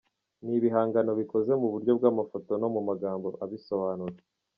Ni ibihangano bikoze mu buryo bw’amafoto no mu magambo abisobanura.